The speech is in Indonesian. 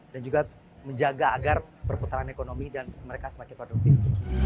dan juga menjaga agar perputaran ekonomi dan mereka sebagai produktif